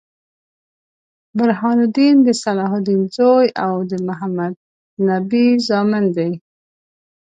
برهان الدين د صلاح الدین زوي او د محمدنبي زامن دي.